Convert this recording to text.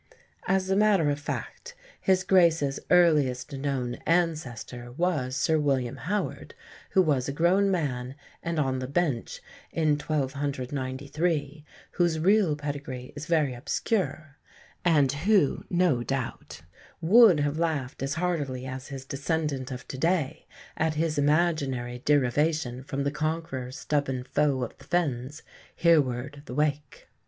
As a matter of fact, his Grace's earliest known ancestor was Sir William Howard, "who was a grown man and on the bench in 1293, whose real pedigree is very obscure"; and who, no doubt, would have laughed as heartily as his descendant of to day at his imaginary derivation from the Conqueror's stubborn foe of the fens, Hereward the Wake.